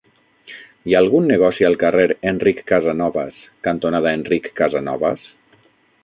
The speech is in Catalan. Hi ha algun negoci al carrer Enric Casanovas cantonada Enric Casanovas?